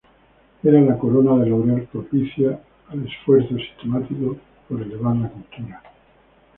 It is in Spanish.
Era la corona de laurel propicia al esfuerzo sistemático por elevar la cultura.